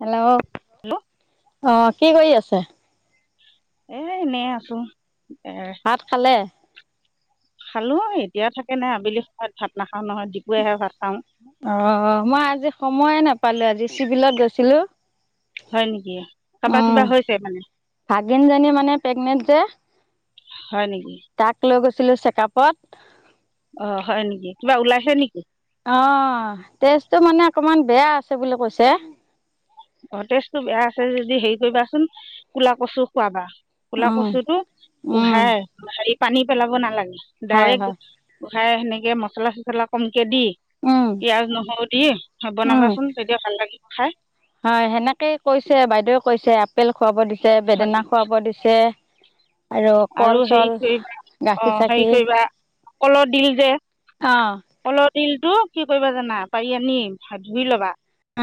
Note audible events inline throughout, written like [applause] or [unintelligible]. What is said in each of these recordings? Hello. অ, কি কৰি আছে? এ এনেই আছোঁ। এ ভাত খালে? খালোঁ। এতিয়াওঁ থাকে নে, আবেলি সময়ত ভাত নাখাওঁ নহয়, দিপুৰীয়াহে ভাত খাওঁ। অ', মই আজি সময়ে নাপালোঁ, আজি চিভিলত গৈছিলোঁ। হয় নেকি কাৰোবাৰ কিবা উম, হৈছে মানে ভাগিনজনী মানে প্ৰেগনেট যে। হয় নেকি? তাক লৈ গৈছিলোঁ চেকাপত। অ', হয় নেকি? কিবা ওলাইছে নেকি? অ', তেজটো মানে অকমান বেয়া আছে বুলি কৈছে। অ', তেজটো বেয়া আছে যদি হেৰি কৰিবাচোন, ক'লা কচু খুৱাবা। ক'লা উম কচুটো, উম উহাই হেৰি পানী পেলাব নালাগে, হয় ডাইৰেক্ট হয় ওখাই সেনেকে মছলা চছলা কমকে দি উম পিয়াজ নহৰু দি উম বনাবাচোন, তেতিয়া ভাল লাগিব খায়। হয় সেনেকেই কৈছে, বাইদেৱে কৈছে। আপেল খুৱাব দিছে, হয় বেদেনা নেকি খুৱাব দিছে। আৰু কল হেৰি চল, কৰিবা অঁ গাখীৰ হেৰি চাখিৰ। কৰিবা কলৰ ডিল যে অহ। কলৰ দিলটো কি কৰিবা জানা, পাৰি আনি ধুই লবা,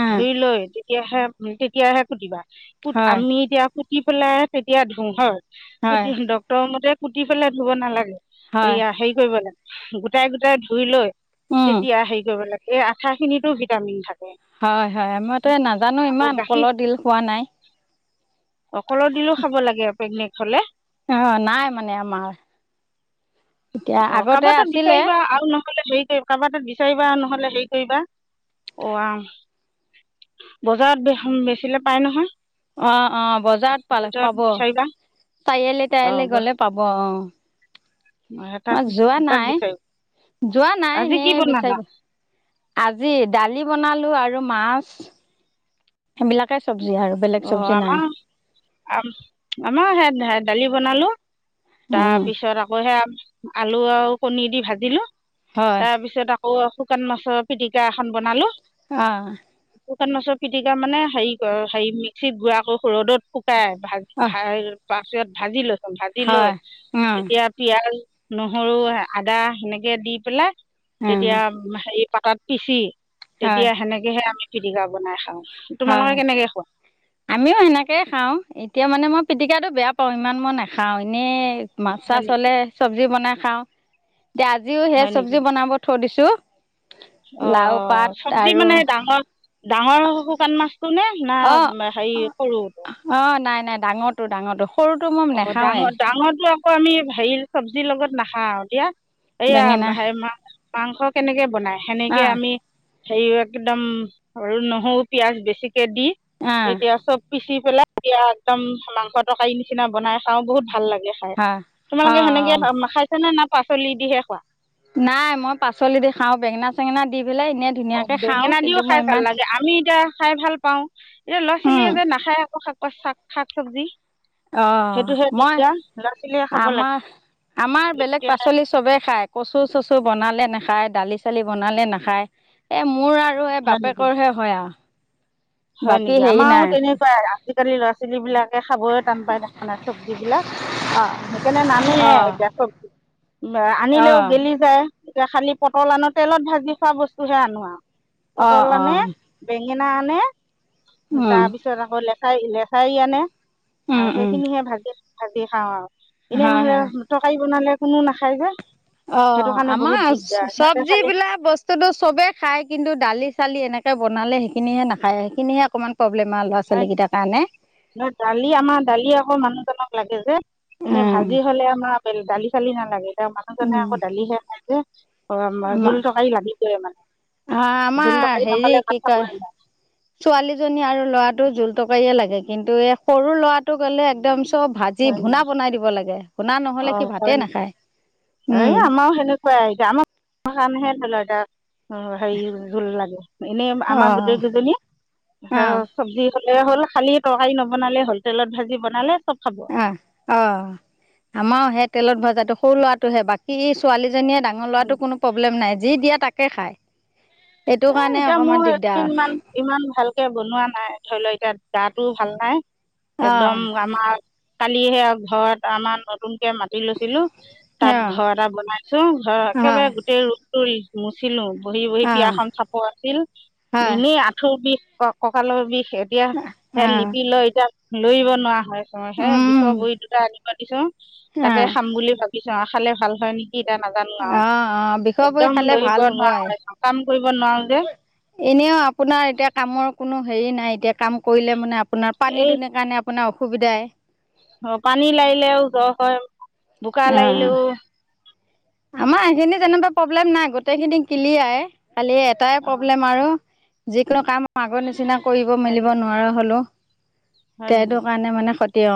উম ধুই লৈ তেতিয়াহে উ তেতিয়াহে কুতিবা, কু হয় আমি এতিয়া কুতি পেলাই তেতিয়া ধু হয় হয় [unintelligible] ডক্তৰ মতে কুটি পেলাই ধুব নালাগে হয় এইয়া হেৰি কৰিব লাগে গোটাই গোটাই ধুই লৈ, উম তেতিয়া হেৰি কৰিব লাগে এই আঠা খিনিতো ভিটামিন থাকে। হয় হয়, আমিতো নাজানো আকৌ ইমান গাখীৰ কলৰ ডিল খোৱা নাই। অ', কলৰ দিলো খাব লাগে আৰু প্ৰেগনেত হলে। অ', নাই মানে আমাৰ। এতিয়া অ', আগতে কবাৰ তাত আছিলে বিচাৰিবা আৰু নহলে হেৰি কৰ কাবাতাত বিচাৰিবা নহ'লে হেই কৰিবা অ', আহ বজাৰত [unintelligible] বেচিলে পাই নহয়। অ', অ', বজাৰত পালে বজাৰত পাব বিচাৰিবা চাৰিআলি অঁ তাৰিয়ালি গ'লে পাব ব অ'। তাত মই যোৱা তাত নাই বিচাৰিম যোৱা নাই আজি এনে কি বনালা বিচাইব আজি দালি বনালোঁ আৰু মাছ সেবিলাকে চবজি হাৰু অ', আমাও আম আমাও সে [unintelligible] দালি বনালোঁ। উম তাপিছত আকৌ সেয়া আলু আও কণী দি ভাজিলোঁ। হয় তাপিছত আকৌ শুকান মাছৰ পিটিকা এখন বনালোঁ। অ', শুকান মাছৰ পিটিকা মানে হেই [unintelligible] মিক্সিত গুৰা কই ৰ'দত শুক শুকাই ভাজি অঁ [unintelligible] পাছত ভাজি [unintelligible] ভাজি লৈ হয় অঁ তেতিয়া পিয়াজ, নহৰু, আদা সেনেকে দি পেলা অঁ তেতিয়া হেই পাতত পিচি হয় তেতিয়া সেনেকেহে আমি পিটিকা বনাই খাওঁ। হয়। তোমালোকে কেনেকৈ খোৱা আমিও সেনেকেই খাওঁ এতিয়া মানে মই পিটিকাটো বেয়া পাওঁ ইমান ম নাখাওঁ এনেই মাছ হয় চাছ নেকি হ'লে চব্জি বনাই খাওঁ এতিয়া আজিও সেই হয় নেকি চব্জি বনাব থ দিছোঁ। অ', লাও পাত অ', চবজি আৰু মানে ডাঙ ডাঙৰ শুকান মাছটো নে না হেৰি সৰু? অ', নাই নাই ডাঙৰটো ডাঙটো সৰুটো ম অ নেখাওঁৱে ডাঙৰ ডাঙৰটো অ', আকৌ আমি হেৰি চব্জিৰ লগত নাখাওঁ [unintelligible] এইয়া বেঙেনা হেই মাং মাংস কেনেকে বনাই সেনেকেই অঁ আমি হেই একদম আৰু নহউ, পিয়াজ বেছিকে দি অঁ তেতিয়া চব পিচি পেলাই এতিয়া একদম মাংস তকাই নিচিনা বনাই খাওঁ বহুত ভাল লাগে। হয়। অঁ তোমালোকে সেনেকে অঁ [unintelligible] খাইছা নে না পাচলি দিহে খোৱাঁ? নাই মই পাচলি দি খাওঁ বেঙেনা চেঙেনা দি পেলাই ইনে অ', বেঙেনা দিও খাই ভাল লাগে আমি এতিয়া খাই ভাল পাওঁ এতিয়া ল'ৰা ছোৱালীয়ে যে নাখায় আকৌ শাক [unintelligible] শাক চব্জি অ', অ', মই ছোৱালীয়ে খাব আমা লাগে আমাৰ বেলেগ পাচলি চবে খায় কচু চচু বনালে নাখায়, দালি চালি বনালে নাখায় এ, মোৰ আৰু এই হয় নেকি বাপেকৰহে হয়া হয় নিকি আমাও তেনেকুৱাই আজিকালি ল'ৰা ছোৱালী বিলাকে খাবই টান পাই দেখা নাই চব্জিবিলাক। সেইকাণে নানোৱে অঁ এতিয়া চবজি উম আ, আনিলেও অঁ গেলি যায়। এতিয়া খালি পটল আনোঁ তেলত ভাজি খোৱা বস্তুহে আনোঁ আও অঁ পটল অঁ আনে বেঙেনা আনে তা উম পিছত আকৌ লেচাই লেচাৰী আনে আ, উম উম সেইখিনিহে [unintelligible] ভাজি খাওঁ আও ইনে হয় নহ'লে হয় [unintelligible] তকাই বনালে কোনো নাখায় যে। অ', অ', সেইটো অ', কাৰণে আমা বহুত [unintelligible] দিগদাৰ সিহঁতে চব্জি খালি বিলাক বচ স্তুটো চবেই খায় কিন্তু দালি চালি এনেকে বনালে সেইখিনিহে নাখায় সেইখিনিহে অকমান [unintelligible] [unintelligible] ছালি কিটা কাণে ন দালি আমা দালি আকৌ মানুহজনক লাগে যে, এনে উম ভাজি হ'লে আমা তেল দালি চালি নালাগে এতিয়া মানুহজনে উম আকৌ দালিহে খাই যে অ', আমা জোল আমাৰ তকাৰি লাগি তে মানে, আমাৰ জোল-তৰকাৰি হেৰি বনালে কি ভাত কয় [unintelligible] ছোৱালীজনী আৰু ল'ৰাটো জোল-তৰকাৰিয়ে লাগে কিন্তু এই সৰু ল'ৰাটো গ'লে একদম চব ভাজি হয় ভূনা নেকি বনাই দিব লাগে, ভূনা নহ'লে অঁ সি হয় ভাতে নেকি নাখায়। এই উম আমাৰ সেনেকুৱাই এতিয়া [unintelligible] অ, হেৰি জোল লাগে এনেই আমাৰ অঁ গোটেইকেইজনী হ অঁ চব্জি খালেই হ'ল, খালি তৰকাৰী নবনালে হ'ল, তেলত ভাজি বনালে চব খাব। অহ, অ', আমাৰো সেই তেলত ভজাটো সৰু লৰাটোহে বা সি ছোৱালীজনীয়ে ডাঙৰ ল'ৰাটো কোনো প্ৰব্লেম নাই, যি দিয়া তাকে খায়। এইটো এ কাৰণে এতিয়া অকণমান মোৰ দিগদাৰ একেইদিনমান ইমান ভালকে বনোৱা নাই, ধৰি ল' এতিয়া গাটো ভাল নাই। অঁ একদম আমাৰ, কালিহে আৰু ঘৰত আমাৰ নতুনকে মা টি লৈছিলোঁ, তাত অঁ ঘৰ এটা বনাইছোঁ, ঘৰৰ একেবাৰে হয় গোটেই ৰুমটো ৰি মুছিলো বহি-বহি অঁ পিৰাখন চাপৰ আছিল, হয় এনেই আঁঠুৰ বিষ, ক-কঁকালৰ বিষ এতিয়া সেই অঁ লিপি লৈ এতিয়া লৰিব নোৱাৰা হৈ আছোঁ মই সেই বিষৰ অঁ ভৰি দুটা আ পাতিছোঁ তাকে খাম বুলি ভাবিছোঁ আৰু খালে ভাল হয় নে টি টা নাজানো আৰু অঁ অঁ বিষৰ বৰি একদম খালে ভাল লৰিব হ'বই নোৱাৰো, কাম কৰিব নোৱাৰো যে? এনেও আপোনাৰ এতিয়া কামৰ কোনো হেৰি নাই এতিয়া কাম কৰিলে মানে আপোনাৰ পানী এই দুনে কাৰণে আপোনাৰ অসুবিধাই। অ', পানী লাগিলেও জ হয়, বোকা অঁ লাগিলেও আমাৰ সেইখিনি যেনেকুৱা প্ৰব্লেম নাই গোটেইখিনি কিলিয়াই খালি এটাই অ প্ৰব্লেম আৰু যিকোনো কাম আগৰ নিচিনা কৰিব হয় নেকি মেলিব নোৱাৰা হলো। হয় তেটো নেকি কাৰণে মানে ক্ষতি অ।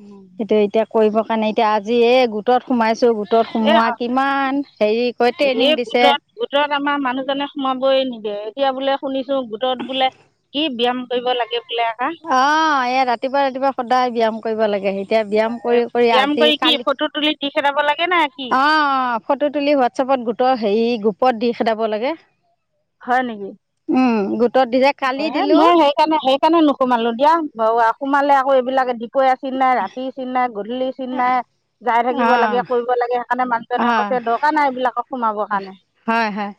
উম। সেইটো এতিয়া কৰিবৰ কাৰণে এতিয়া আজি এই গোটত সোমাইছো গো তত এ সোমোৱা কিমান হেৰি কয় এই ট্ৰেইনিং দিছে। গোটত গোটত আমাৰ মানুহজনে সোমাবই নিদিয়ে, এতিয়া বোলে শুনিছো গোটত বোলে, কি ব্যয়াম কৰিব লাগে বোলে আকা? অ', এয়া ৰাতিপুৱা, ৰাতিপুৱা, সদায় ব্যায়াম কৰিব লাগে সি এতিয়া ব্যায়াম কৰি কৰি ব্যায়াম আজি, কি কালি, ফটো তুলি দি খেদাব লাগে নে কি অ', অ' ফটো তুলি হোৱাটছআপত গোটৰ হেৰি গ্ৰুপত দি খেদাব লাগে। হয় নেকি? উম, গোটত দিৰেক অ', সেই মই সেই কাৰণে সেইকাৰণে নোসোমালো দিয়া ব আ সোমালে আকৌ এইবিলাকে দীপৰীয়া চিনাই, ৰাতি চিনাই, গধূলি চিন নাই, জাই থাকিব লাগে, কৰিব লাগে সেইকাৰণে মানু অহ', অহ হয়, হয়,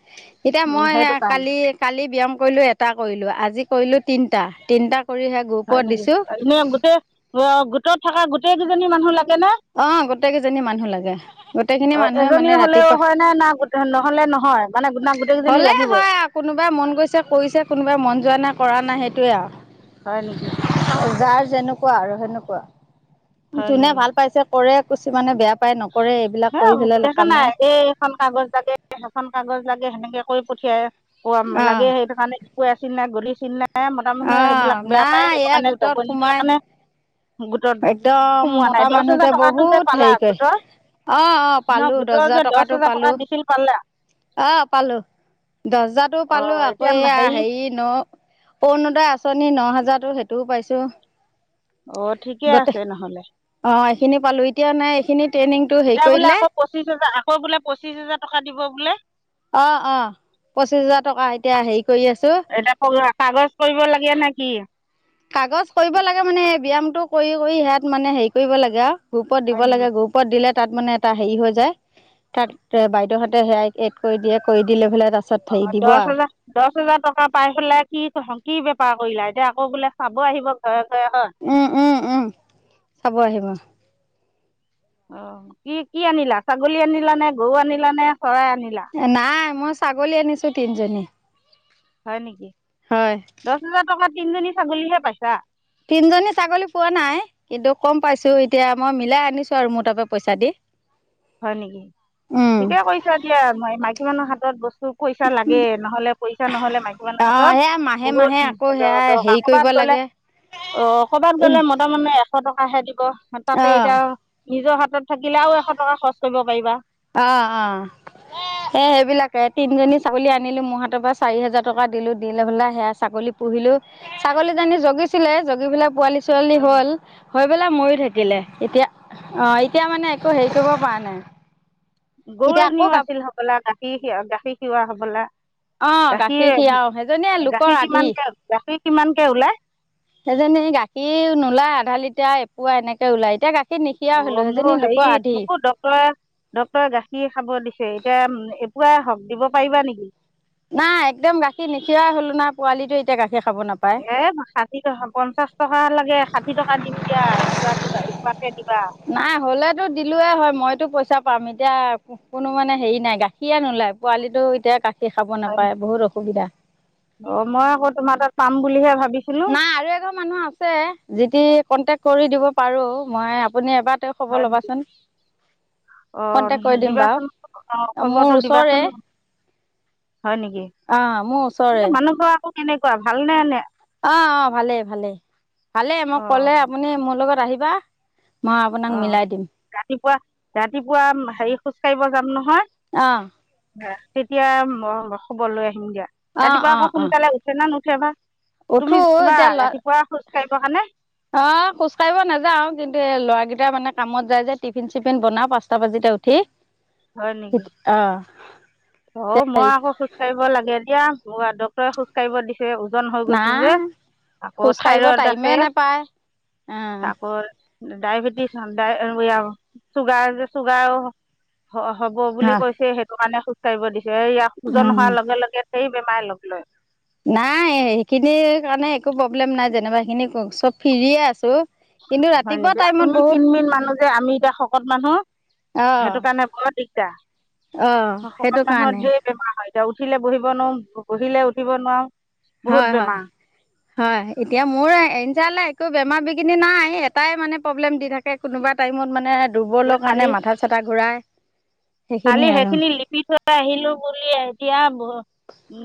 এতিয়া উম মই এ সেইটো কাৰণে কালি লি কালি ব্যায়াম কৰিলো এটা কৰিলো, আজি কৰিলো তিনটা, তিনটা কৰিহে হয় নেকি, এনে গোটেই গা গোটত থকা গোটেই কেইজনী মানুহ লাগে না? অ', গোটেই কেইজনী মানুহ লাগে, গোটেইখিনি মানুহে মানে ৰাতিপুৱা না না গোট নহলে, নহয়। মানে না গোটেইকেইজনী হ'লেই লাগিবই হয় আৰু কোনোবাই মন গৈছে কৰিছে, কোনোবাই মন যোৱা নাই কৰা নাই সেইটোয়ে আৰু। হয় নেকি? যাৰ যেনেকুৱা আৰু সেনেকুৱা, হয় যোনে নেকি ভাল পাইছে কৰে, কুছিমানে বেয়া পায় নকৰে এইবিলাক কৰি পেলাই লা কাম নাই। এখন কাগজ লাগে সেখন কাগজ লাগে সেনেকে কৈ পঠিয়াই অ লাগে সেইটো কাৰণে কৈ আছিল নাই গলিছিল নাই মতা মানুহে অ', সেইবিলাক বেয়া পায় নাই সেইটো এয়া কাৰণে যাব গোটত নিদিলে সোমাই কাৰণে গোটত একদম সোমোৱা নাই মতা দহ হেজাৰ মানুহতে টকাটো যে বহুত পালা হেৰি কৰে গোটৰ অ', অ', ন পালো গোটৰ হাজাৰ যে দহ টকাটো হাজাৰ পালো টকা দিছিল পালা অ পালো দহ হেজাৰটো অ পালো আকৌ এতিয়া এয়া হেৰি হেৰিত ন অৰুণোদয় আঁচনি ন হাজাৰতো সেইটোও পাইছো অ ঠিকে গোটে আছে নহ'লে অ এইখিনি পালো এতিয়া নাই এইখিনি ট্ৰেইনিং টো হেৰি দিলে পঁচিছ হাজাৰ আকৌ বোলে পঁচিশ হাজাৰ টকা দিব বোলে অ অ পঁচিশ হাজাৰ টকা এতিয়া হেৰি কৰি আছো এতিয়া কা কাগজ কৰিব লাগে নে কি কাগজ কৰিব লাগে মানে এই ব্যায়ামটো কৰি কৰি সেয়াত মানে হেৰি কৰিব লাগে আও গ্ৰুপত হয় দিব নেকি লাগে গ্ৰুপ গ্ৰুপত দিলে তাত মানে এটা হেৰি হৈ যায় তাত বাইদউহঁতে সেয়াই এড কৰি দিয়ে কৰি দি লৈ পেলাই তাৰপাছত অ হেৰি দিব দহ আৰু হাজাৰ দহ হেজাৰ টকা পাইছিলা কি কি বেপাৰ কৰিলা এতিয়া আকৌ বোলে চাব আহিব ঘৰে ঘৰে হয় উম উম উম চাব আহিব অ কি কি আনিলা ছাগলী আনিলা নে গৰু আনিলা নে চৰাই আনিলা নাই মই ছাগলী আনিছো তিনজনী হয় নেকি হয় দহ হাজাৰ টকা তিনজনী ছাগলীহে পাইছা তিনজনী ছাগলী পোৱা নাই কিন্তু কম পাইছো এতিয়া মই মিলাই আনিছো আৰু মোৰ তাৰপৰা পইচা দি হয় নেকি ঠিকে কৈ কৰিছা দিয়া মাইকী মানুহৰ হাতত বস্তু পইচা লাগে নহলে পইচা নহ'লে মাইকী মাইকী মানুহৰ অঁ হাতত সেয়া মাহে বহুত মাহে আকৌ দ সেয়া দৰকাৰ হেৰি কৰিব কৰবাত গ'লে লাগে অ ক'বাত গ'লে ম মতা মানুহে এশ টকাহে দিব তাতে অঁ এতিয়া নিজৰ হাতত থাকিলে আৰু এশ এশ টকা খৰচ কৰিব পাৰিবা অ অ এ সেইবিলাকে তিনজনী ছাগলী আনিলো মোৰ হাতৰ পৰা চাৰি হেজাৰ টকা দিলো দি লৈ পেলাই সেয়া ছাগলী পুহিলো ছাগলী জনী জগিছিলে জগি পেলাই পোৱালি চোৱালী হয় নি? হ'ল হৈ পেলাই মৰি থাকিলে এতিয়া অ এতিয়া মানে একো হেৰি কৰিব পৰা নাই গৰু এতিয়া আকৌ এজনিও গা আছিল হবলা গাখীৰ খি গাখীৰ খিওৱা হবলা অ খিৰাও সেইজনীয়ে গাখীৰ লোকৰ গাখীৰ আধি কিমানকে গাখীৰ কিমানকে ওলাই সেইজনী গাখীৰ নোলায় আধা লিটাৰ এপোৱা এনেকে ওলাই এতিয়া গাখীৰ নিখিৰা হলো অ মোৰ সেইজনী লোকৰ হেৰি আধি মোকো ডক্তয়ে ডক্তৰে গাখীৰ খাব দিছে এতিয়া এপোৱা হওক দিব পাৰিবা নেকি নাই একদম গাখীৰ নিখিয়াই হ'লো না পোৱালিটো এতিয়া গাখীৰ খাব নাপায় [unintelligible] কি হব পঞ্চাশ টকা লাগে ষাঠি টকা দিম দিয়া এপোৱা দিবা এপোৱাকে দিবা নাই হ'লেতো দিলোৱে হয় মইতো পইচা পাম এতিয়া কোনো মানে হেৰি নাই গাখীয়ে নোলায় পোৱালিতো এতিয়া গাখীৰ খাব হয়। নাপায় বহুত অসুবিধা অ মই আক তোমাৰ তাত পাম বুলিহে ভাবিছো নাই আৰু এঘৰ মানুহ আছে যেদি কন্টেক কৰি দিব পাৰো। মই আপুনি এবাৰ ত হয় খবৰ নেকি ল'বাচোন। অ', কণ্টেক্ট কৰি দিম বাৰু দিবাচন অ', মোৰ খবৰটো দিবাচন। ওচৰে হয় নেকি। অঁ মোৰ এই ওচৰে মানুহঘৰ আকৌ কেনেকুৱা? ভালনে নে অ', অ'। ভালেই ভালে ভালে মোক ক'লে, অ' আপুনি আপুনি মোৰ লগত আহিবা মই আপোনাক অ', মিলাই দিম ৰাতিপুৱা-ৰাতিপুৱা হেৰি খোজ কাঢ়িব যাম অঁ ন'হয়। তেতিয়া খবৰ লৈ আহিম দিয়া অঁ ৰাতিপুৱা অঁ আকৌ অঁ সোনকালে উঠে না নুঠে বা। উঠো তুমি যাবা এতিয়া ল ৰাতিপুৱা খোজ কাঢ়িব কাৰণে? অ', খোজ কঢ়িব নাযাওঁ কিন্তু এই ল'ৰাকেইটটা মানে কামত যায় যে টিফিন চিফিন বনাও পাঁচটা বাজিতে উঠ কি? হয় নেকি? অ'। অ', মই আকৌ খোজ কঢ়িব লাগে দিয়া। মোক ডক্টৰে খোজ কঢ়িব দিছেঁ। ওজন হৈ গৈছোঁ নাই যে আকৌ খোজ কাঢ়িব থাইৰইড টাইমে আছেঁ। নাপায় অ তাকৰ ডায়বেটিছ [unintelligible] চুগাৰ যে চুগাৰ হব বুলি কৈছে সেইটো কাৰণে খোজ কাঢ়িব দিছেঁ। এয়া উ ওজন হোৱাৰ লগে লগে ধেৰ বেমাৰ লগ লয়। নাই সেইখিনিৰ কাৰণে একো প্ৰব্লেম নাই যেনিবা সেইখিনি চব ফ্ৰি আছোঁ। হয় নেকি, তুমি ক্ষীণ মিন মানুহ যে, আমি এতিয়া শকত মানুহ। অ সেইটো কাৰণে বৰ দিগদাৰ। অ শকত সেইটো মানুহৰ কাৰণে যে বেমাৰ হয় তেওঁ উঠিলে বহিব নোৱাৰো বহিলে উঠিব নোৱাৰোঁ। বহুত হয় হয়। বেমাৰ হয় এতিয়া মোৰ [unintelligible] একো বেমাৰ বিঘিনি নাই এটাই মানে প্ৰব্লেম দি থাকে। এই কোনোবা টাইমত মানে এতিয়া দুৰ্বলৰ কালি কাৰণে মাথা চাথা ঘূৰাই। কালি সেইখিনিয়ে আৰু সেইখিনি লিপি থৈ আহিলোঁ বুলি এতিয়া ব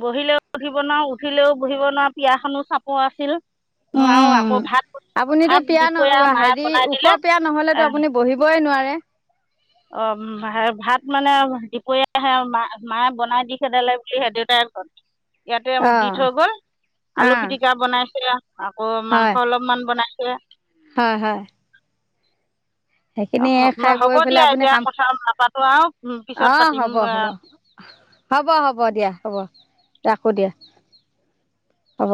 বহিলেও উঠিব নোৱাৰোঁ। উঠিলেও বহিব নোৱাৰোঁ পিৰাখনো চাপৰ আঁছিল। নোৱাৰো উম আকৌ ভাত আপুনিতো ভাত পিয়া ন দুপৰীয়া মায়ে হেৰি বনাই ওখ দিলে। পিয়া নহ'লেতো আহ আপুনি বহিবই নোৱাৰে। অ', ভাত মানে দুপৰীয়া আহে মা মায়ে বনাই দি খেদালে বুলি সেই দেউতাই কই। [inaudible] ইয়াতে দি অঁ থৈ গ'ল আলু অঁ পিটিকা বনাইছিলা অ', মাংস হয় অলপমান বনাইছে। হয় হয়। সেইখিনি খাই হ'ব বৈ পেলাই দিয়া আপুনি এতিয়া কাম, কথা নাপাতো আৰু পিছত অ', হ'ব হ'ব। পাতিম হ'ব হ'ব দিয়া হ'ব ৰাখো দিয়া হ'ব।